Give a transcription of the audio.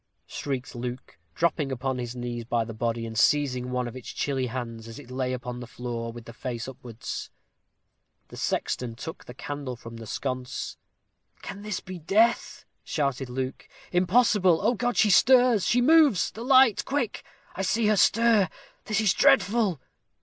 shrieked Luke, dropping upon his knees by the body, and seizing one of its chilly hands, as it lay upon the floor, with the face upwards. The sexton took the candle from the sconce. "Can this be death?" shouted Luke. "Impossible! Oh, God! she stirs she moves. The light! quick. I see her stir! This is dreadful!"